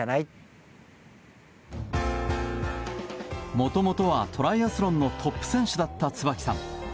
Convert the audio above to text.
もともとはトライアスロンのトップ選手だった椿さん。